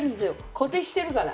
固定してるから。